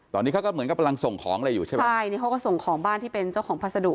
ตอนนี้เขาก็เหมือนกำลังส่งของอะไรอยู่ใช่ไหมใช่นี่เขาก็ส่งของบ้านที่เป็นเจ้าของพัสดุ